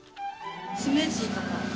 スムージーとか。